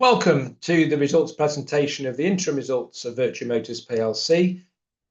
Welcome to the results presentation of the interim results of Vertu Motors PLC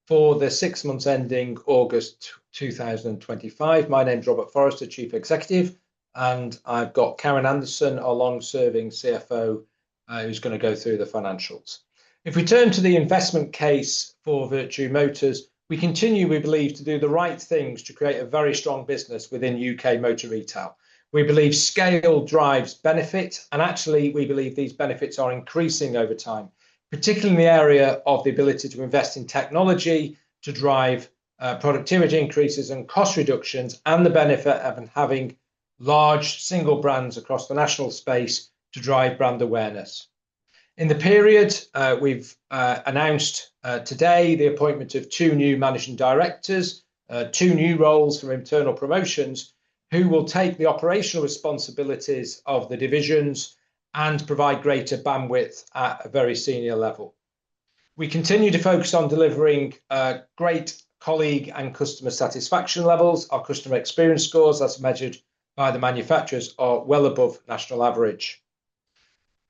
for the six months ending August 2025. My name's Robert Forrester, Chief Executive, and I've got Karen Anderson, a long-serving CFO who's going to go through the financials. If we turn to the investment case for Vertu Motors. We continue, we believe, to do the right things to create a very strong business within U.K. motor retail. We believe scale drives benefit and actually we believe these benefits are increasing over time, particularly in the area of the ability to invest in technology to drive productivity increases and cost reductions and the benefit of having large single brands across the national space to drive brand awareness. In the period, we've announced today the appointment of two new Managing Directors, two new roles from internal promotions who will take the operational responsibilities of the divisions and provide greater bandwidth. At a very senior level, we continue to focus on delivering great colleague and customer satisfaction levels. Our customer experience scores, as measured by the manufacturers, are well above national average.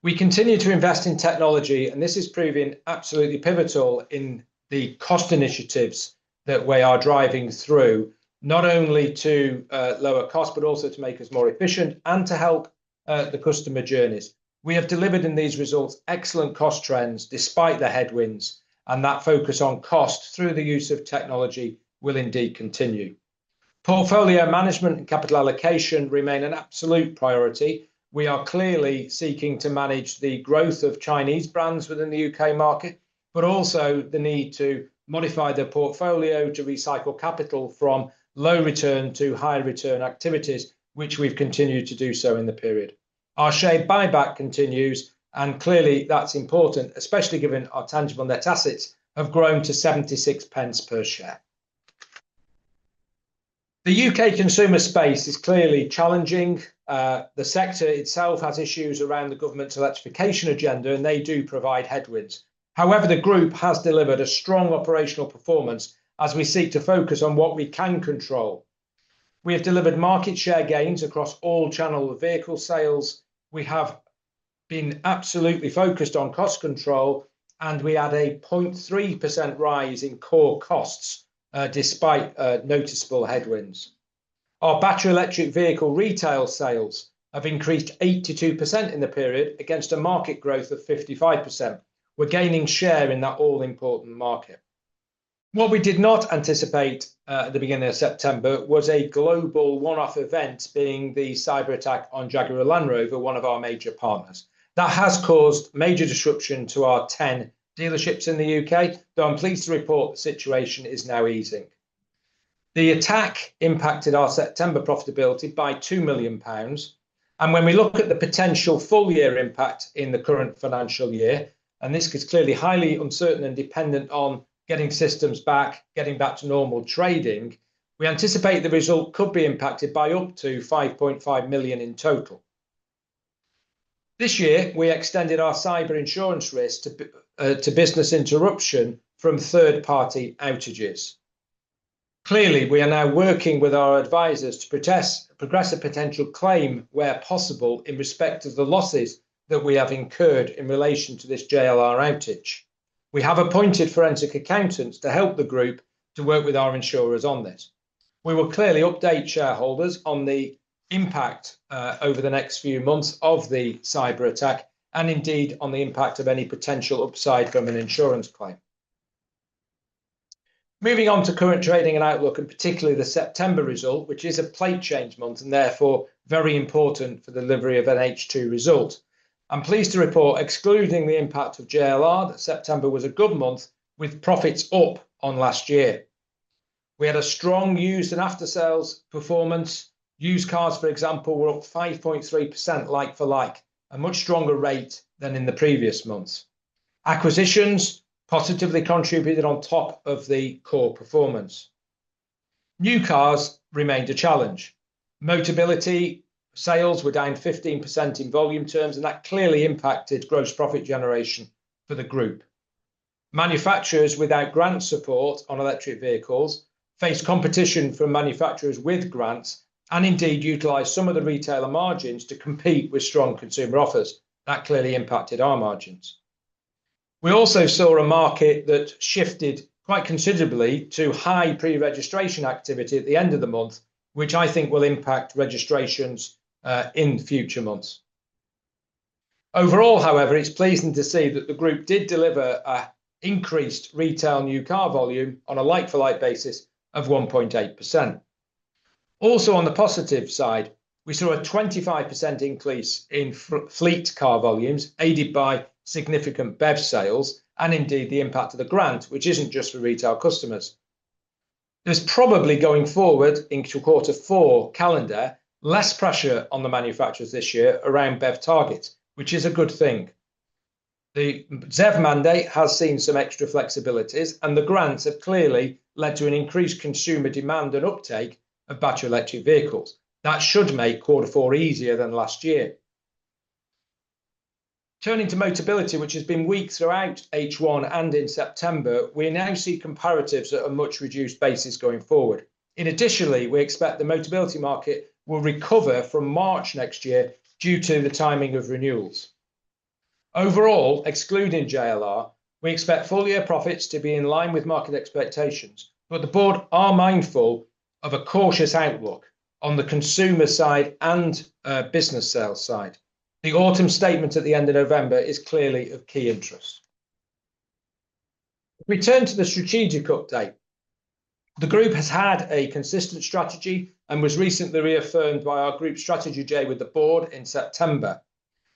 We continue to invest in technology, and this is proving absolutely pivotal in the cost initiatives that we are driving through, not only to lower cost, but also to make us more efficient and to help the customer journeys. We have delivered, in these results, excellent cost trends despite the headwinds, and that focus on cost through the use of technology will indeed continue. Portfolio management and capital allocation remain an absolute priority. We are clearly seeking to manage the growth of Chinese brands within the U.K. market, but also the need to modify the portfolio to recycle capital from low return to high return activities, which we've continued to do so in the period. Our share buyback continues and clearly that's important, especially given our tangible net assets have grown to 0.76 per share. The U.K. consumer space is clearly challenging. The sector itself has issues around the government's electrification agenda and they do provide headwinds. However, the Group has delivered a strong operational performance as we seek to focus on what we can control. We have delivered market share gains across all channels of vehicle sales. We have been absolutely focused on cost control and we had a 0.3% rise in core costs despite noticeable headwinds. Our battery electric vehicle retail sales have increased 82% in the period against a market growth of 55%. We're gaining share in that all-important market. What we did not anticipate at the beginning of September was a global one-off event being the cyber attack on Jaguar Land Rover, one of our major partners that has caused major disruption to our 10 dealerships in the U.K. Though I'm pleased to report the situation is now easing, the attack impacted our September profitability by 2 million pounds, and when we look at the potential full-year impact in the current financial year, and this is clearly highly uncertain and dependent on getting systems back, getting back to normal trading, we anticipate the result could be impacted by up to 5.5 million in total. This year we extended our cyber insurance risk to business interruption from third party outages. Clearly we are now working with our advisors to progress a potential claim where possible in respect to the losses of that we have incurred in relation to this JLR outage. We have appointed forensic accountants to help the Group to work with our insurers on this. We will clearly update shareholders on the impact over the next few months of the cyber attack and indeed on the impact of any potential upside from an insurance claim. Moving on to current trading and outlook, and particularly the September result, which is a plate change month and therefore very important for the delivery of H2 result. I'm pleased to report, excluding the impact of JLR, that September was a good month with profits up on last year. We had a strong used and after sales performance. Used cars, for example, were up 5.3% like-for like, a much stronger rate than in the previous months. Acquisitions positively contributed on top of the core performance. New cars remained a challenge. Motability sales were down 15% in volume terms and that clearly impacted gross profit generation for the Group. Manufacturers without grant support on electric vehicles faced competition from manufacturers with grants and indeed utilized some of the retailer margins to compete with strong consumer offers. That clearly impacted our margins. We also saw a market that shifted quite considerably to high pre-registration activity at the end of the month, which I think will impact registrations in future months. Overall, however, it's pleasing to see that the Group did deliver increased retail new car volume on a like-for-like basis of 1.8%. Also on the positive side, we saw a 25% increase in fleet car volumes aided by significant BEV sales and indeed the impact of the grant, which isn't just for retail customers. There's probably going forward in quarter four calendar less pressure on the manufacturers this year around BEV targets, which is a good thing. The ZEV mandate has seen some extra flexibilities and the grants have clearly led to an increased consumer demand and uptake of battery electric vehicles that should make Q4 easier than last year. Turning to Motability which has been weak throughout H1 and in September we now see comparatives at a much reduced basis going forward. Additionally, we expect the Motability market will recover from March next year due to the timing of renewals overall excluding JLR, we expect full year profits to be in line with market expectations. But the Board are mindful of a cautious outlook on the consumer side and business sales side. The Autumn Statement at the end of November is clearly of key interest. Return to the strategic update. The Group has had a consistent strategy and was recently reaffirmed by our Group Strategy Day with the Board in September.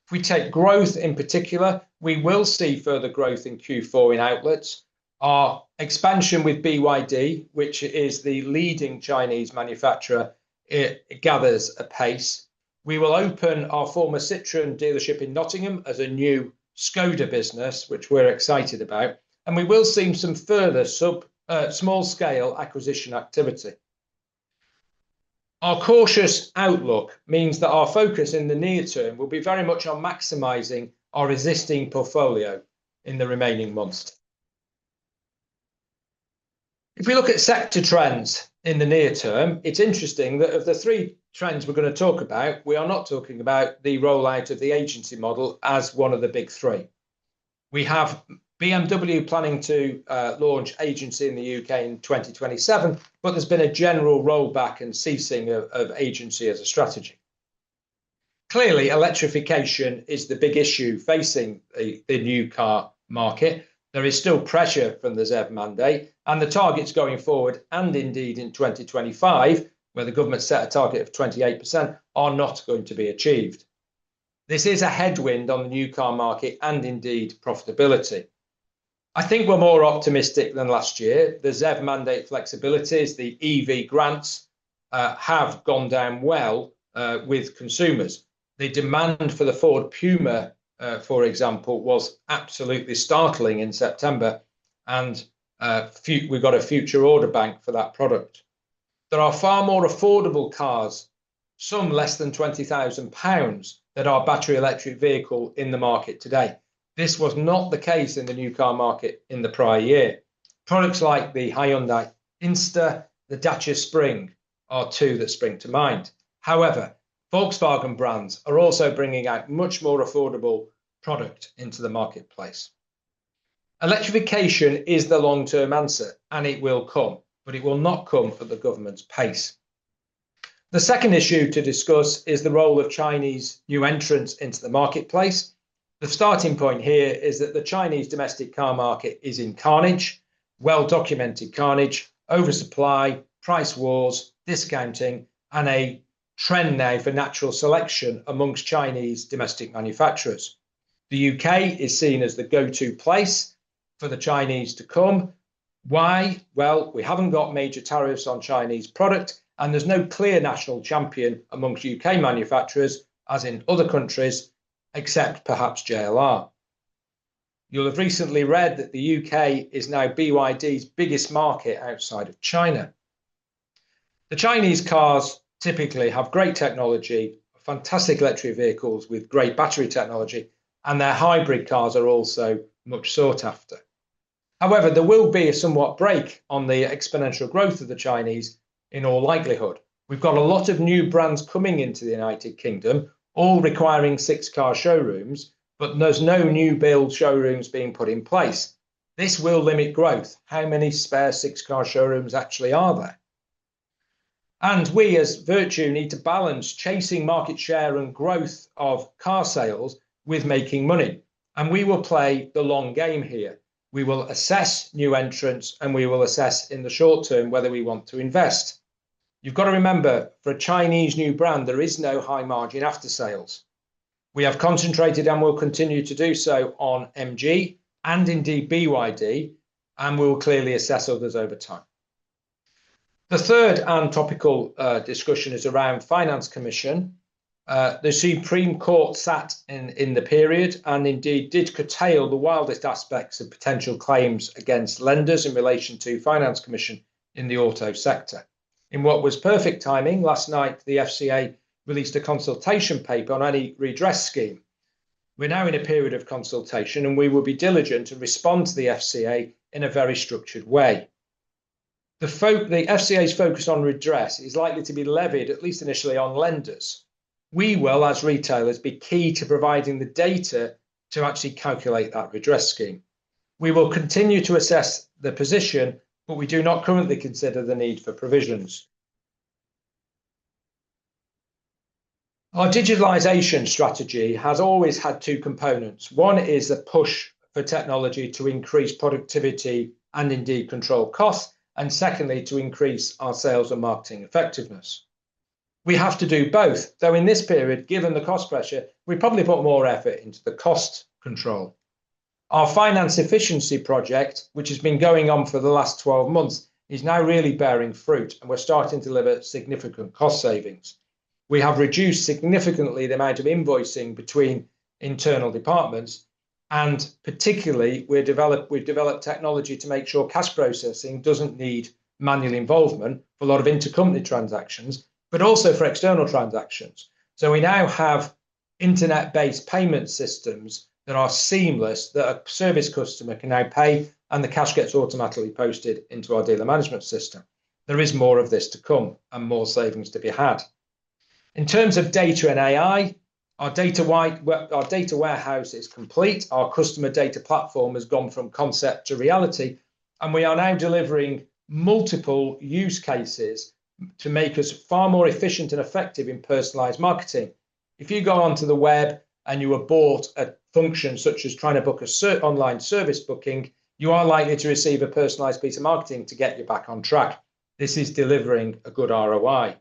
If we take growth in particular, we will see further growth in Q4 in outlets. Our expansion with BYD, which is the leading Chinese manufacturer. It gathers apace. We will open our former Citroën dealership in Nottingham as a new Škoda business which we're excited about and we will see some further small-scale acquisition activity. Our cautious outlook means that our focus in the near term will be very much on maximizing our existing portfolio in the remaining months. If we look at sector trends in the near term, it's interesting that of the three trends we're going to talk about, we are not talking about the rollout of the agency model as one of the big three. We have BMW planning to launch agency in the U.K. in 2027 but there's been a general rollback and ceasing of agency as a strategy. Clearly electrification is the big issue facing the new car market. There is still pressure from the ZEV mandate and the targets going forward and indeed in 2025 where the government set a target of 28% are not going to be achieved. This is a headwind on the new car market and indeed profitability. I think we're more optimistic than last year. The ZEV mandate flexibilities, the EV grants have gone down well with consumers. The demand for the Ford Puma for example was absolutely startling in September and we got a future order bank for that product. There are far more affordable cars, some less than 20,000 pounds that are battery electric vehicle in the market today. This was not the case in the new car market in the prior year. Products like the Hyundai Inster, the Dacia Spring are two that spring to mind. However, Volkswagen brands are also bringing out much more affordable product into the marketplace. Electrification is the long term answer and it will come, but it will not come at the government's pace. The second issue to discuss is the role of Chinese new entrants into the marketplace. The starting point here is that the Chinese domestic car market is in carnage, well documented carnage and oversupply, price wars, discounting and a trend now for natural selection. Among Chinese domestic manufacturers. The U.K. is seen as the go to place for the Chinese to come. Why? Well, we haven't got major tariffs on Chinese product and there's no clear national champion among U.K. manufacturers, as in other countries, except perhaps JLR. You'll have recently read that the U.K. is now BYD's biggest market outside of China. The Chinese cars typically have great technology, fantastic electric vehicles with great battery technology and their hybrid cars are also much sought after. However, there will be a somewhat break on the exponential growth of the Chinese. In all likelihood, we've got a lot of new brands coming into the United Kingdom, all requiring six car showrooms, but there's no new build showrooms being put in place. This will limit growth. How many spare six car showrooms actually are there? We as Vertu need to balance chasing market share and growth of car sales with making money. We will play the long game here. We will assess new entrants and we will assess in the short term whether we want to invest. You've got to remember for a Chinese new brand there is no high margin after sales. We have concentrated and will continue to do so on MG and indeed BYD, and we will clearly assess others over time. The third topical discussion is around financial commission. The Supreme Court sat in the period and indeed did curtail the wildest aspects of potential claims against lenders in relation to financial commission in the auto sector. In what was perfect timing, last night the FCA released a consultation paper on any redress scheme. We're now in a period of consultation and we will be diligent to respond to the FCA in a very structured way. The FCA's focus on redress is likely to be levied, at least initially, on lenders. We will, as retailers, be key to providing the data to actually calculate that redress scheme. We will continue to assess the position, but we do not currently consider the need for provisions. Our digitalization strategy has always had two components. One is the push for technology to increase productivity and indeed control cost, and secondly, to increase our sales and marketing effectiveness. We have to do both though in this period, given the cost pressure, we probably put more effort into the cost control. Our finance efficiency project, which has been going on for the last 12 months, is now really bearing fruit and we're starting to deliver significant cost savings. We have reduced significantly the amount of invoicing between internal departments and particularly we've developed technology to make sure cash processing doesn't need manual involvement for a lot of intercompany transactions, but also for external transactions. So we now have internet-based payment systems that are seamless, that a service customer can now pay and the cash gets automatically posted into our dealer management system. There is more of this to come and more savings to be had in terms of data and AI. Our data warehouse is complete. Our customer data platform has gone from concept to reality and we are now delivering multiple use cases to make us far more efficient and effective in personalized marketing. If you go onto the web and you abort a function such as trying to book a certain online service booking, you are likely to receive a personalized piece of marketing to get you back on track. This is delivering a good ROI.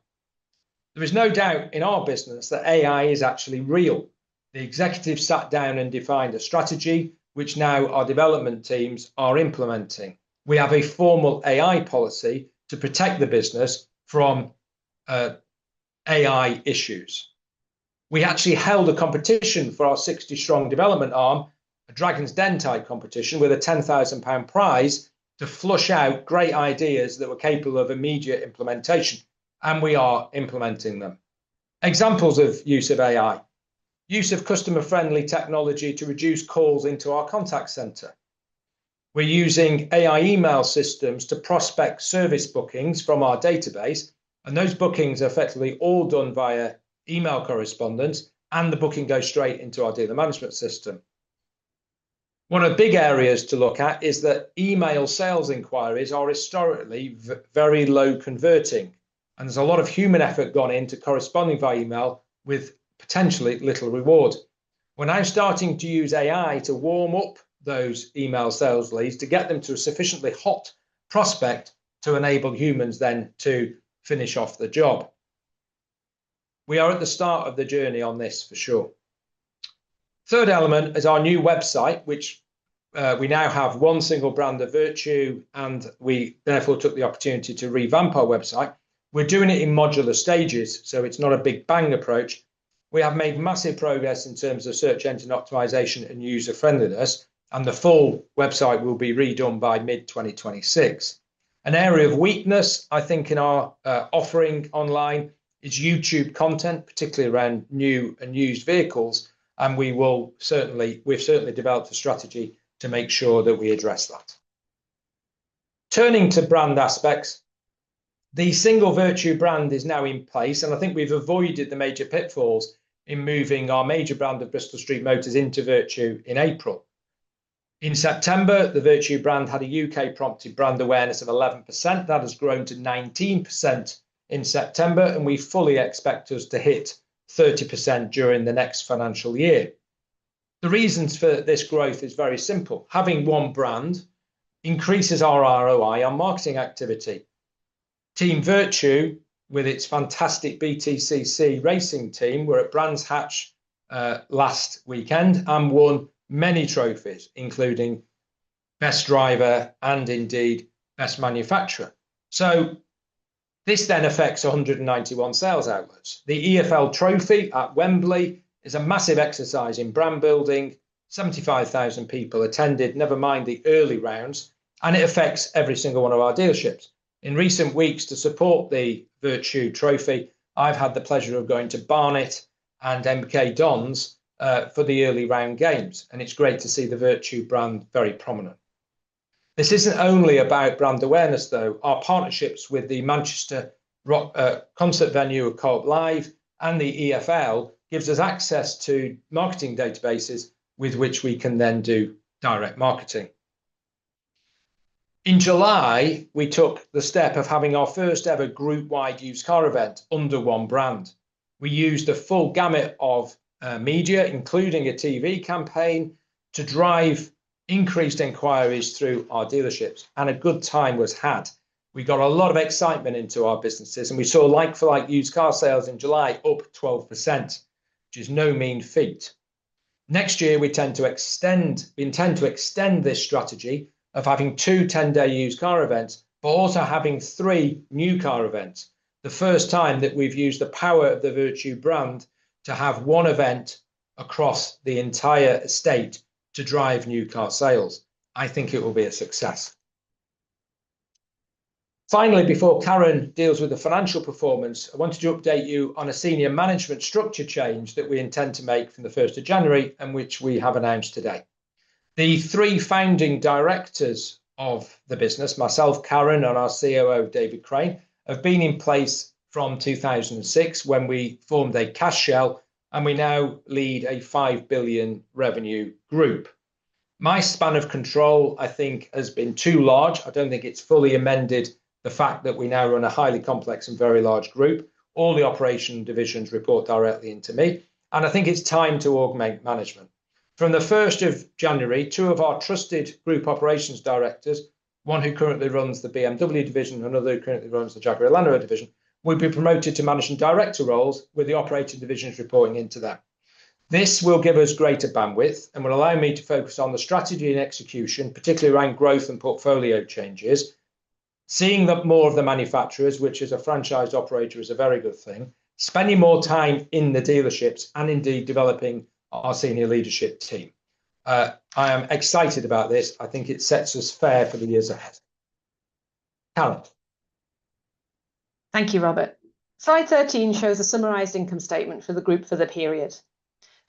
There is no doubt in our business that AI is actually real. The executive sat down and defined a strategy which now our development teams are implementing. We have a formal AI policy to protect the business from. AI issues. We actually held a competition for our 60-strong development arm, a Dragons' Den-type competition with a 10,000 pound prize to flush out great ideas that were capable of immediate implementation and we are implementing them. Examples of use of AI use of customer-friendly technology to reduce calls into our contact center. We're using AI email systems to prospect service bookings from our database and those bookings are effectively all done via email correspondence and the booking goes straight into our dealer management system. One of the big areas to look at is that email sales inquiries are historically very low-converting and there's a lot of human effort gone into corresponding via email with potentially little reward. We're now starting to use AI to warm up those email sales leads to get them to a sufficiently hot prospect to enable humans then to finish off the job. We are at the start of the journey on this for sure. Third element is our new website which we now have one single brand of Vertu, and we therefore took the opportunity to revamp our website. We're doing it in modular stages so it's not a Big Bang approach. We have made massive progress in terms of search engine optimization and user friendliness and the full website will be redone by mid-2026. An area of weakness I think in our offering online is YouTube content, particularly around new and used vehicles, and we will certainly, we've certainly developed a strategy to make sure that we address that. Turning to brand aspects, the single Vertu brand is now in place and I think we've avoided the major pitfalls in moving our major brand of Bristol Street Motors into Vertu in April. In September, the Vertu brand had a UK prompted brand awareness of 11% that has grown to 19% in September and we fully expect us to hit 30% during the next financial year. The reasons for this growth is very simple. Having one brand increases our ROI on marketing activity. Team Vertu with its fantastic BTCC racing team were at Brands Hatch last weekend and won many trophies including Best Driver and indeed Best Manufacturer. So this then affects 191 sales outlets. The EFL Trophy at Wembley is a massive exercise in brand building. 75,000 people attended, never mind the early rounds, and it affects every single one of our dealerships in recent weeks to support the Vertu Trophy. I've had the pleasure of going to Barnet and MK Dons for the early round games, and it's great to see the Vertu brand very prominent. This isn't only about brand awareness though. Our partnerships with the Manchester concert venue of Co-op Live and the EFL gives us access to marketing databases with which we can then do direct market. In July we took the step of having our first ever group-wide used car event under one brand. We used the full gamut of media, including a TV campaign to drive increased inquiries through our dealerships and a good time was had. We got a lot of excitement into our businesses and we saw like-for-like used car sales in July, up 12% which is no mean feat. Next year we intend to extend. We intend to extend this strategy of having two 10-day used car events but also having three new car events. The first time that we've used the power of the Vertu brand to have one event across the entire estate to drive new car sales. I think it will be a success. Finally, before Karen deals with the financial performance, I wanted to update you on a senior management structure change that we intend to make from the 1st of January and which we have announced today. The three founding directors of the business, myself, Karen and our COO David Crane have been in place from 2006 when we formed a cash shell and we now lead a 5 billion revenue group. My span of control I think has been too large. I don't think it's fully managed. The fact that we now run a highly complex and very large group. All the operations divisions report directly into me and I think it's time to augment management from the 1st of January. Two of our trusted group operations directors, one who currently runs the BMW division, another currently runs the Jaguar Land Rover division, will be promoted to managing director roles with the operating divisions reporting into that. This will give us greater bandwidth and will allow me to focus on the strategy and execution, particularly around growth and portfolio changes. Seeing that more of the manufacturers, which, as a franchise operator, is a very good thing. Spending more time in the dealerships and indeed developing our senior leadership team. I am excited about this. I think it sets us fair for the years ahead.. Thank you, Robert. Slide 13 shows a summarized income statement for the Group. For the period,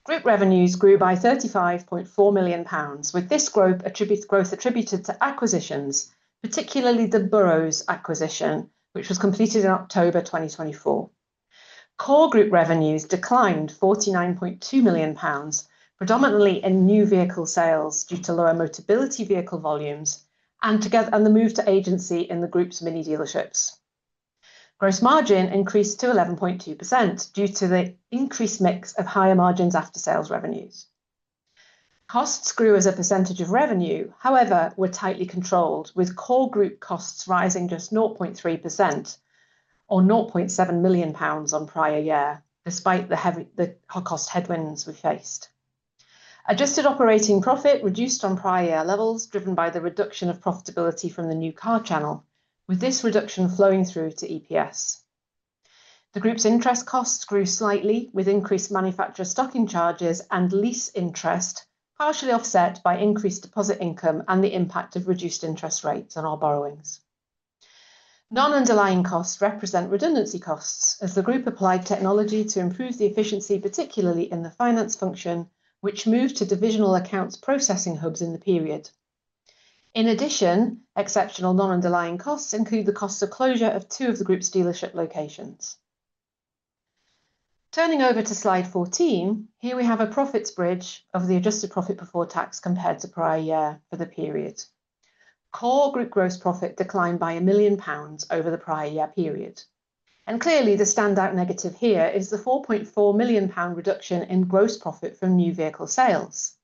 Group revenues grew by 35.4 million pounds with this growth attributed to acquisitions, particularly the Burrows acquisition which was completed in October 2024. Core Group revenues declined 49.2 million pounds predominantly in new vehicle sales due to lower Motability vehicle volumes and the move to agency in the Group's MINI dealerships. Gross margin increased to 11.2% due to the increased mix of higher margins aftersales revenues. Costs grew as a percentage of revenue, however, were tightly controlled with Core Group costs rising just 0.3% or 0.7 million pounds on prior year. Despite the cost headwinds we faced. Adjusted operating profit reduced on prior year levels driven by the reduction of profitability from the new car channel. With this reduction flowing through to EPS, the Group's interest costs grew slightly with increased manufacturer stocking charges and lease interest partially offset by increased deposit income and the impact of reduced interest rates on our borrowings. Non-underlying costs represent redundancy costs as the Group applied technology to improve the efficiency, particularly in the finance function which moved to divisional accounts processing hubs in the period. In addition, exceptional non-underlying costs include the costs of closure of two of the Group's dealership locations. Turning over to slide 14 here we have a profits bridge of the adjusted profit before tax compared to prior year. For the period, Core Group gross profit declined by 1 million pounds over the prior year period and clearly the standout negative. Here is the 4.4 million pound reduction in gross profit from new vehicle sales.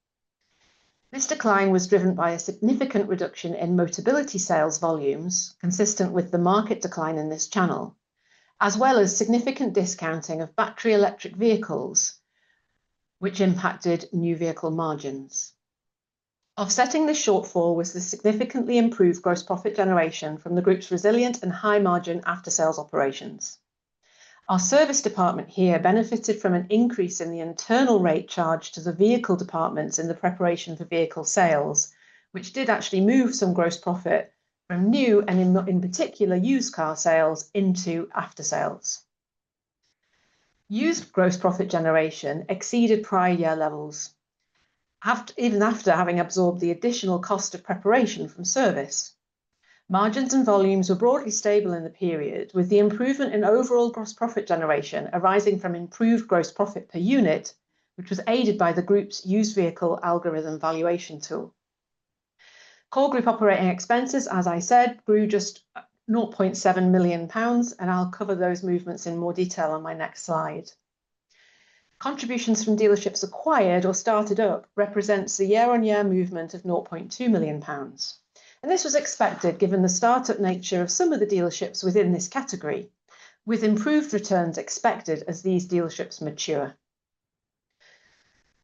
This decline was driven by a significant reduction in Motability sales volumes consistent with the market decline in this channel as well as significant discounting of battery electric vehicles which impacted new vehicle margins. Offsetting this shortfall was the significantly improved gross profit generation from the Group's resilient and high margin aftersales operations. Our service department here benefited from an increase in the internal rate charged to the vehicle departments in the preparation for vehicle sales which did actually move some gross profit from new and in particular used car sales into after sales. Used gross profit generation exceeded prior year levels even after having absorbed the additional cost of preparation from service. Margins and volumes were broadly stable in the period with the improvement in overall gross profit generation arising from improved gross profit per unit, which was aided by the Group's used vehicle algorithm valuation tool. Core Group operating expenses, as I said, grew just 0.7 million pounds and I'll cover those movements in more detail on my next slide. Contributions from dealerships acquired or started up represents a year-on-year movement of 0.2 million pounds and this was expected given the startup nature of some of the dealerships within this category, with improved returns expected as these dealerships mature.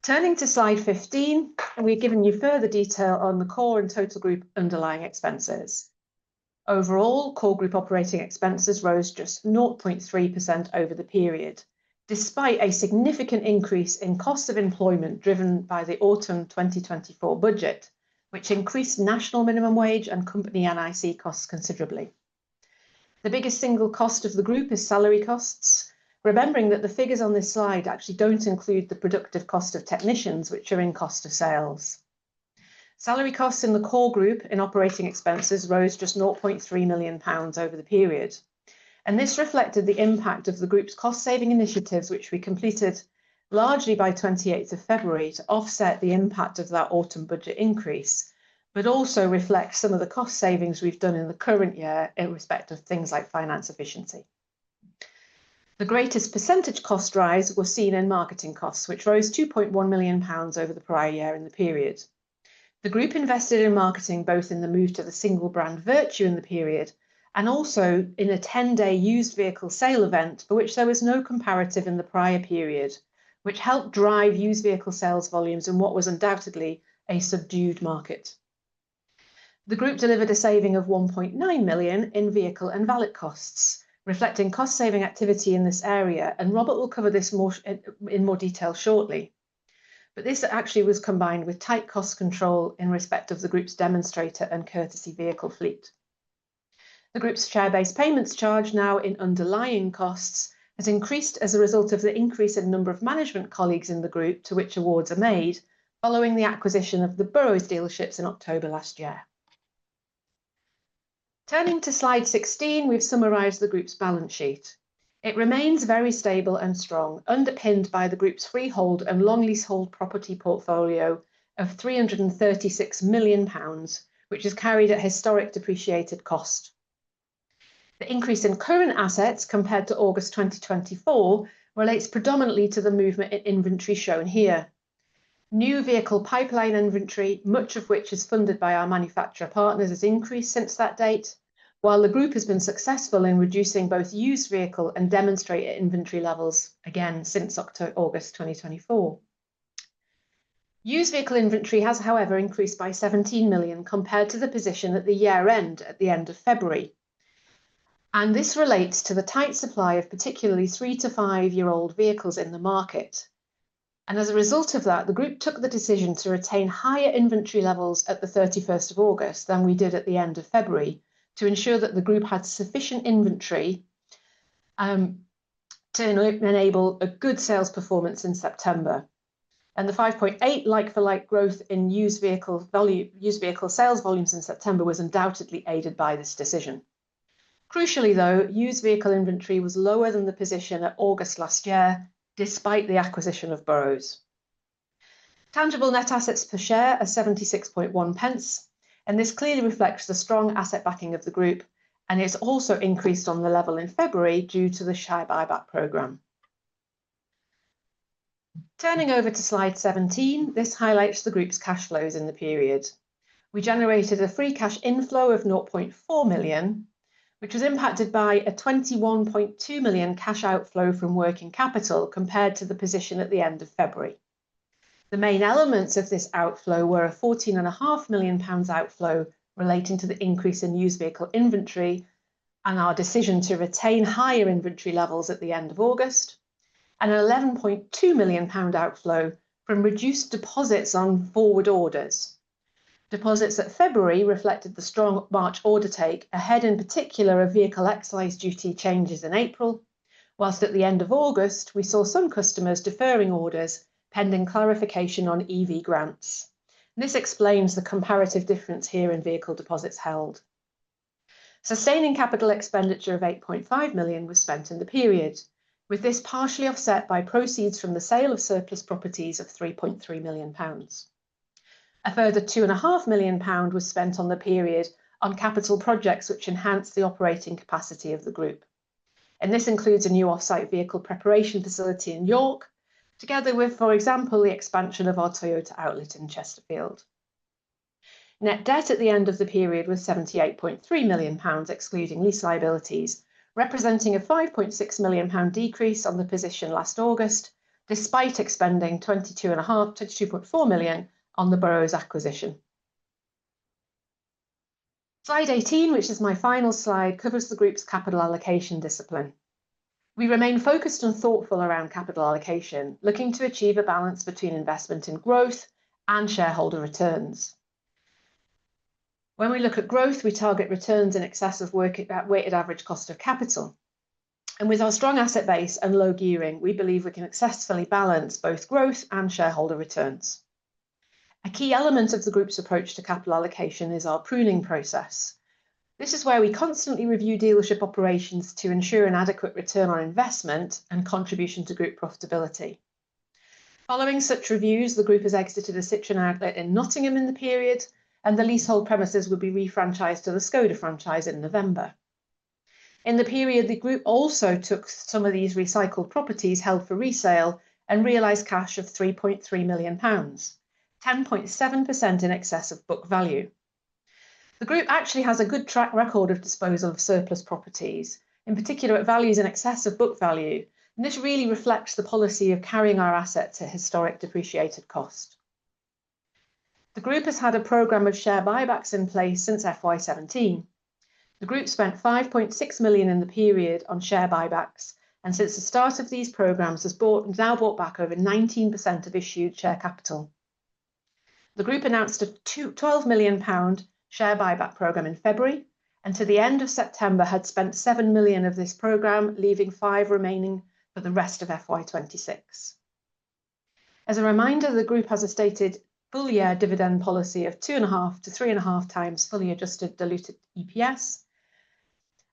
Turning to Slide 15, we've given you further detail on the core and total Group underlying expenses. Overall core group operating expenses rose just 0.3% over the period despite a significant increase in cost of employment driven by the autumn 2024 budget which increased national minimum wage and company NIC costs considerably. The biggest single cost of the Group is salary costs. Remembering that the figures on this slide actually don't include the productive cost of technicians which are in cost of sales. Salary costs in the Core Group in operating expenses rose just 0.3 million pounds over the period and this reflected the impact of the Group's cost saving initiatives which we completed largely by 28th of February to offset the impact of that autumn budget increase, but also reflect some of the cost savings we've done in the current year in respect of things like finance efficiency. The greatest percentage cost rise was seen in marketing costs which rose 2.1 million pounds over the prior year in the period. The Group invested in marketing both in the move to the single brand Vertu in the period and also in a 10-day used vehicle sale event for which there was no comparative in the prior period which helped drive used vehicle sales volumes in what was undoubtedly a subdued market. The Group delivered a saving of 1.9 million in vehicle and valet costs reflecting cost saving activity in this area and Robert will cover this in more detail shortly, but this actually was combined with tight cost control in respect of the Group's demonstrator and courtesy vehicle fleet. The Group's share-based payments charge now in underlying costs has increased as a result of the increase in number of management colleagues in the Group to which awards are made following the acquisition of the Burrows dealerships in October last year. Turning to slide 16, we've summarized the Group's balance sheet. It remains very stable and strong, underpinned by the Group's freehold and long leasehold property portfolio of 336 million pounds which is carried at historic depreciated cost. The increase in current assets compared to August 2024 relates predominantly to the movement in inventory shown here. New vehicle pipeline inventory, much of which is funded by our manufacturer partners, has increased since that date. While the Group has been successful in reducing both used vehicle and demonstrator inventory levels again since August 2024. Used vehicle inventory has, however, increased by 17 million compared to the position at the year end at the end of February, and this relates to the tight supply of particularly three- to five-year-old vehicles in the market. And as a result of that, the Group took the decision to retain higher inventory levels at 31 August than we did at the end of February to ensure that the Group had sufficient inventory. To enable a good sales performance in September and the 5.8 like-for-like growth in used vehicle sales volumes in September was undoubtedly aided by this decision. Crucially, though, used vehicle inventory was lower than the position at August last year despite the acquisition of Burrows. Tangible net assets per share are 0.761 and this clearly reflects the strong asset backing of the Group and it's also increased on the level in February due to the share buyback program. Turning over to slide 17. This highlights the Group's cash flows in the period. We generated a free cash inflow of 0.4 million, which was impacted by a 21.2 million cash outflow from working capital compared to the position at the end of February. The main elements of this outflow were a 14.5 million pounds outflow relating to the increase in used vehicle inventory and our decision to retain higher inventory levels at the end of August, and a 11.2 million pound outflow from reduced deposits on forward orders. Deposits at February reflected the strong March order take ahead in particular of vehicle excise duty changes in April, while at the end of August we saw some customers deferring orders pending clarification on EV grants. This explains the comparative difference here in vehicle deposits held. Sustaining capital expenditure of 8.5 million was spent in the period, with this partially offset by proceeds from the sale of surplus properties of 3.3 million pounds. A further 2.5 million pound was spent on the period on capital projects which enhanced the operating capacity of the Group and this includes a new offsite vehicle preparation facility in York, together with for example the expansion of our Toyota outlet in Chesterfield. Net debt at the end of the period was 78.3 million pounds excluding lease liabilities, representing a 5.6 million pound decrease on the position last August, despite expending 22.5-24 million on the Burrows' acquisition. Slide 18, which is my final slide, covers the Group's capital allocation discipline. We remain focused and thoughtful around capital allocation, looking to achieve a balance between investment in growth and shareholder returns. When we look at growth, we target returns in excess of weighted average cost of capital, and with our strong asset base and low gearing, we believe we can successfully balance both growth and shareholder returns. A key element of the Group's approach to capital allocation is our pruning process. This is where we constantly review dealership operations to ensure an adequate return on investment and contribution to Group profitability. Following such reviews, the Group has exited a Citroën outlet in Nottingham in the period and the leasehold premises would be refranchised to the Škoda franchise in November. In the period, the Group also took some of these recycled properties held for resale and realized cash of 3.3 million pounds 10.7% in excess of book value. The Group actually has a good track record of disposal of surplus properties, in particular at values in excess of book value. This really reflects the policy of carrying our assets at historic depreciated cost. The Group has had a program of share buybacks in place since FY17. The Group spent 5.6 million in the period on share buybacks and since the start of these programs has now bought back over 19% of issued share capital. The Group announced a 12 million pound share buyback program in February and to the end of September had spent 7 million of this program, leaving five remaining for the rest of FY26. As a reminder, the Group has a stated full year dividend policy of 2.5x-3.5x fully adjusted diluted EPS.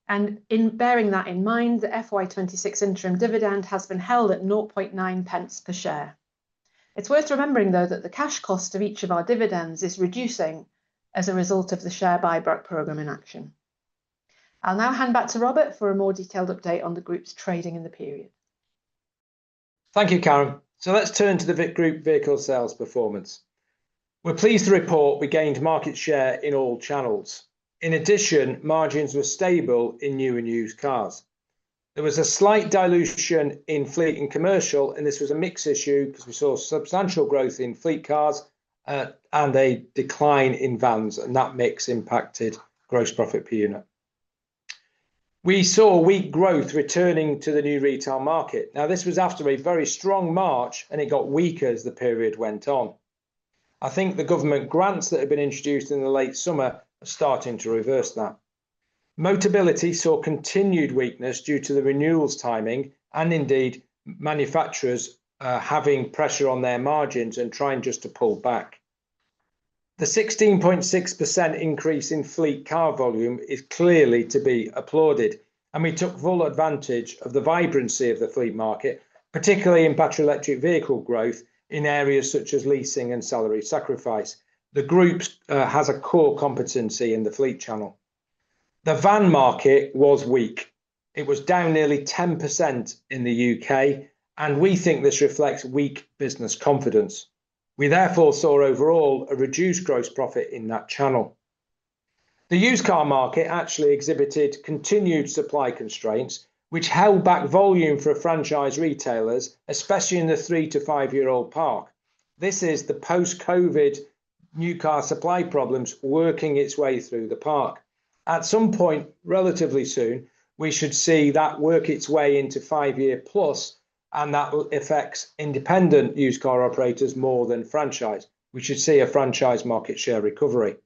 Bearing that in mind, the FY26 interim dividend has been held at 0.9 pence per share. It's worth remembering though, that the cash cost of each of our dividends is reducing as a result of the share buyback program in action. I'll now hand back to Robert for a more detailed update on the Group's trading in the period. Thank you, Karen. So let's turn to the VIC Group vehicle sales performance. We're pleased to report we gained market share in all channels. In addition, margins were stable in new and used cars. There was a slight dilution in fleet and commercial, and this was a mix issue because we saw substantial growth in fleet cars and a decline in vans and that mix impacted gross profit per unit. We saw weak growth returning to the new retail market. Now, this was after a very strong March and it got weaker as the period went on. I think the government grants that have been introduced in the late summer starting to reverse that. Motability saw continued weakness due to the renewals timing and indeed manufacturers having pressure on their margins and trying just to pull back. The 16.6% increase in fleet car volume is clearly to be applauded, and we took full advantage of the vibrancy of the fleet market, particularly in battery electric vehicle growth in areas such as leasing and salary sacrifice. The Group has a core competency in the fleet channel. The van market was weak. It was down nearly 10% in the U.K. and we think this reflects weak business confidence. We therefore saw overall a reduced gross profit in that channel. The used car market actually exhibited continued supply constraints which held back volume for franchise retailers, especially in the three- to five-year-old parc. This is the post-COVID new car supply problems working its way through the park. At some point relatively soon, we should see that work its way into five-year-plus and that affects independent used car operators more than franchise. We should see a franchise market share recovery.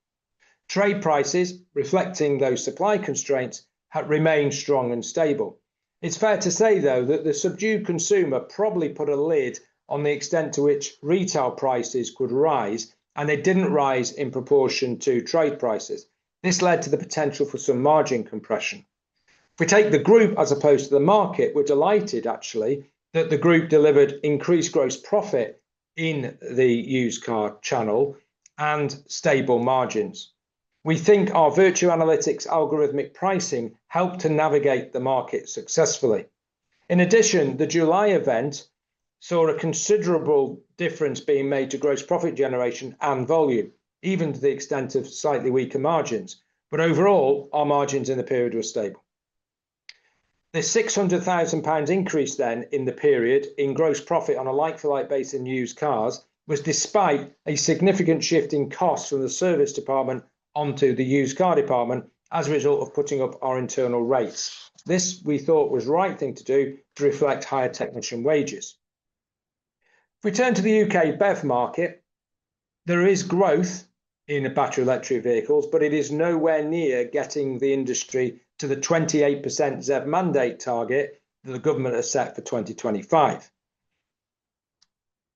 Trade prices reflecting those supply constraints remain strong and stable. It's fair to say though that the subdued consumer probably put a lid on the extent to which retail prices could rise and they didn't rise in proportion to trade prices. This led to the potential for some margin compression. If we take the Group as opposed to the market, we're delighted actually that the Group delivered increased gross profit in the used car channel and stable margins. We think our Vertu Analytics algorithmic pricing helped to navigate the market successfully. In addition, the July event saw a considerable difference being made to gross profit generation and volume, even to the extent of slightly weaker margins. But overall our margins in the period were stable. The 600,000 pounds increase then in the period in gross profit on a like-for-like basis and used cars was despite a significant shift in costs from the service department onto the used car department as a result of putting up our internal rates. This we thought was right thing to do to reflect higher technician wages. If we turn to the U.K. BEV market, there is growth in battery electric vehicles, but it is nowhere near getting the industry to the 28% ZEV mandate target that the government has set for 2025.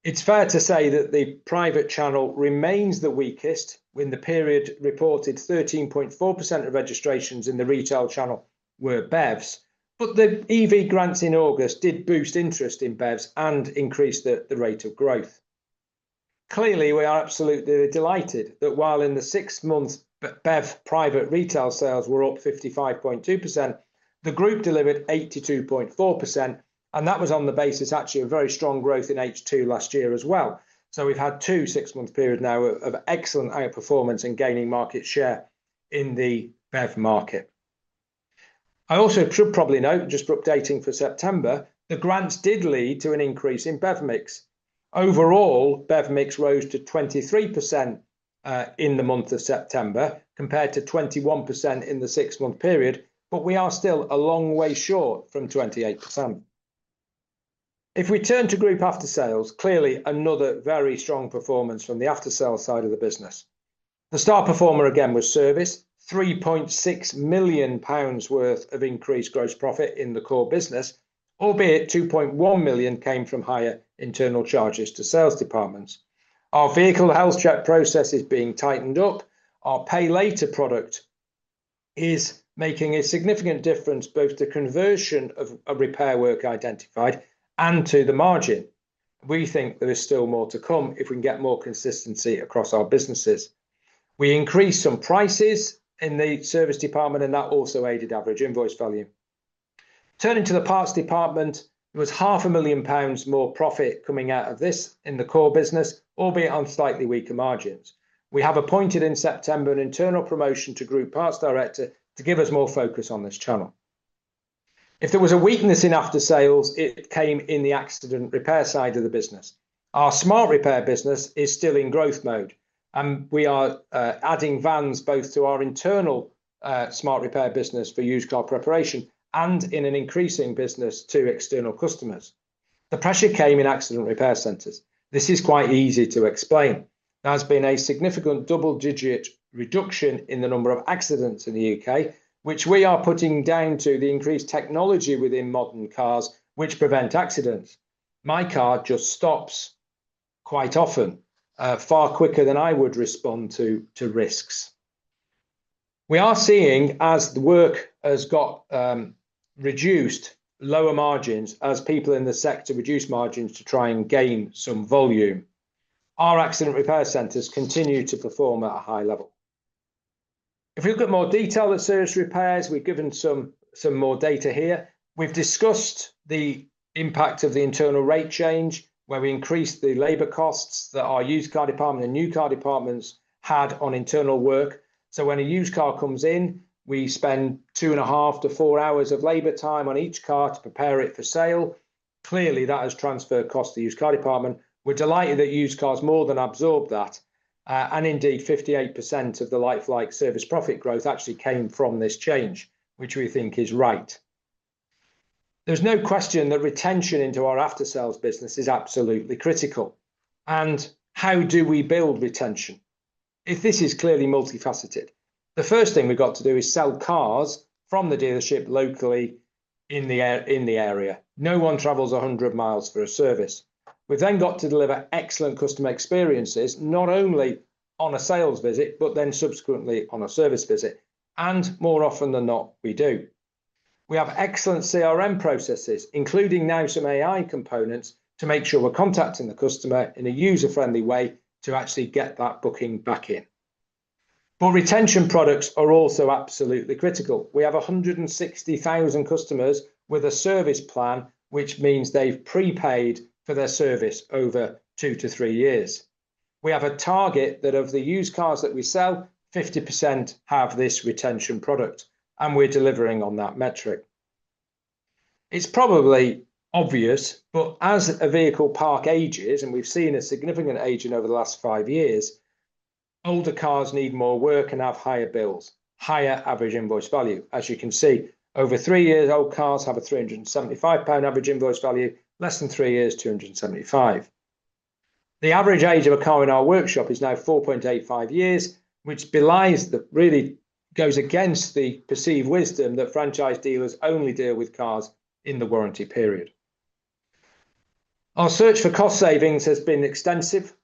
It's fair to say that the private channel remains the weakest within the period reported: 13.4% of registrations in the retail channel were BEVs. But the EV grants in August did boost interest in BEVs and increase the rate of growth. Clearly we are absolutely delighted that while in the six-month BEV private retail sales were up 55.2% the Group delivered 82.4% and that was on the basis, actually, of a very strong growth in H2 last year as well. So we've had two six-month periods now of excellent outperformance and gaining market share in the BEV market. I also should probably note just updating for September, the grants did lead to an increase in BEV mix overall. BEV mix rose to 23% in the month of September compared to 21% in the six-month period. But we are still a long way short of 28%. If we turn to Group aftersales. Clearly another very strong performance from the aftersales side of the business. The star performer again was service. 3.6 million pounds worth of increased gross profit in the core business, albeit 2.1 million came from higher internal charges to sales departments. Our vehicle health check process is being tightened up. Our pay later product is making a significant difference both to conversion of repair work identified and to the margin. We think there is still more to come if we can get more consistency across our businesses. We increased some prices in the service department and that also aided average invoice value. Turning to the parts department, there was 500,000 pounds more profit coming out of this in the core business, albeit on slightly weaker margins. We have appointed in September an internal promotion to group parts director to give us more focus on this channel. If there was a weakness in aftersales, it came in the accident repair side of the business. Our smart repair business is still in growth mode and we are adding vans both to our internal smart repair business for used car preparation and in an increasing business to external customers. The pressure came in accident repair centers. This is quite easy to explain. There's been a significant double-digit reduction in the number of accidents in the U.K. which we are putting down to the increased technology within modern cars which prevent accidents. My car just stops quite often far quicker than I would respond to risks. We are seeing, as the work has got reduced, lower margins as people in the sector reduce margins to try and gain some volume. Our accident repair centers continue to perform at a high level. If we look at more detail at service repairs, we've given some more data here. We've discussed the impact of the internal rate change where we increased the labor costs that our used car department and new car departments had on internal work. So when a used car comes in, we spend two and a half to four hours of labor time on each car to prepare it for sale. Clearly that has transferred cost to used car department. We're delighted that used cars more than absorbed that and indeed 58% of the like-for-like service profit growth actually came from this change, which we think is right. There's no question that retention into our after sales business is absolutely critical and how do we build retention? It's clearly multifaceted. The first thing we've got to do is sell cars from the dealership locally in the area. No one travels 100 miles for a service. We've then got to deliver excellent customer experiences, not only on a sales visit, but then subsequently on a service visit, and more often than not we do. We have excellent CRM processes, including now some AI components to make sure we're contacting the customer in a user-friendly way to actually get that booking back in. But retention products are also absolutely critical. We have 160,000 customers with a service plan which means they've prepaid for their service over 2-3 years. We have a target, that of the used cars that we sell, 50% have this retention product and we're delivering on that metric. It's probably obvious, but as a vehicle parc ages and we've seen a significant aging over the last five years. Older cars need more work and have higher bills, higher average invoice value. As you can see, over three years old cars have a 375 pound average invoice value less than three years. 275. The average age of a car in our workshop is now 4.85 years. Which belies that. Really goes against the perceived wisdom that franchise dealers only deal with cars in the warranty period. Our search for cost savings has been extensive.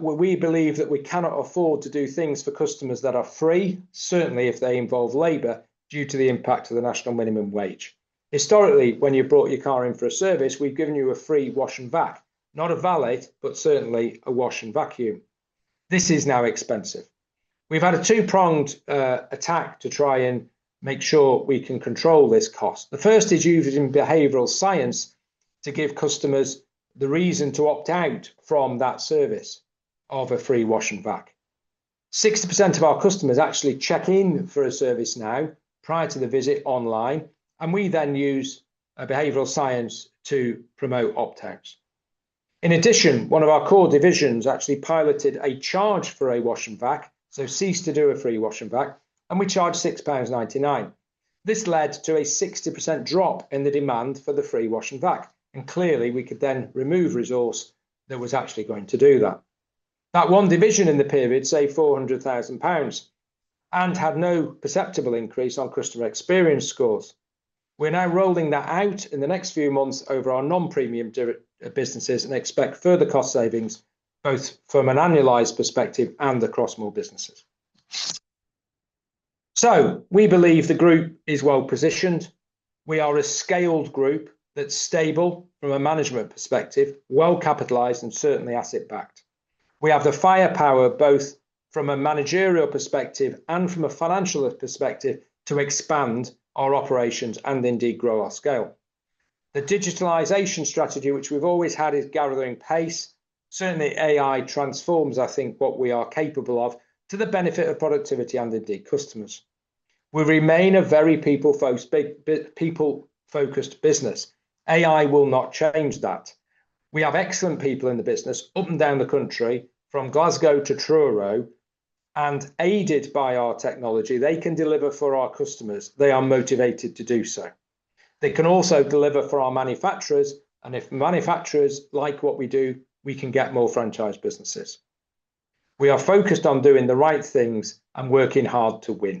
We believe that we cannot afford to do things for customers that are free, certainly if they involve labor, due to the impact of the national minimum wage. Historically, when you brought your car in for a service, we've given you a free wash and vac. Not a valet, but certainly a wash and vacuum. This is now expensive. We've had a two-pronged attack to try and make sure we can control this cost. The first is used in behavioral science and to give customers the reason to opt out from that service of a free wash and vac. 60% of our customers actually check in for a service now prior to the visit online and we then use behavioral science to promote opt outs. In addition, one of our core divisions actually piloted a charge for a wash and vac, so ceased to do a free wash and vac and we charged 6.99 pounds. This led to a 60% drop in the demand for the free wash and vac and clearly we could then remove resource that was actually going to do that. That one division in the period saved 400,000 pounds and had no perceptible increase on customer experience scores. We're now rolling that out in the next few months over our non premium businesses and expect further cost savings both from an annualized perspective and across more businesses. So we believe the Group is well positioned. We are a scaled group that's stable from a management perspective, well capitalized, and certainly asset-backed. We have the firepower both from a managerial perspective and from a financial perspective to expand our operations and indeed grow our scale. The digitalization strategy, which we've always had, is gathering pace. Certainly, AI transforms, I think, what we are capable of to the benefit of productivity and indeed customers. We remain a very people-focused business. AI will not change that. We have excellent people in the business up and down the country from Glasgow to Truro, and aided by our technology, they can deliver for our customers. They are motivated to do so. They can also deliver for our manufacturers, and if manufacturers like what we do, we can get more franchise businesses. We are focused on doing the right things and working hard to win.